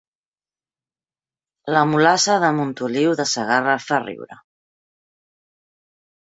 La mulassa de Montoliu de Segarra fa riure